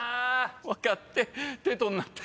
分かって「てと」になった。